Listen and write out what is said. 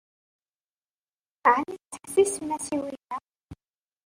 Ɛni tettḥessisem-as i winna?